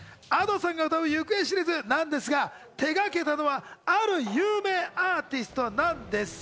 Ａｄｏさんが歌う『行方知れず』なんですが、手がけたのはある有名アーティストなんです。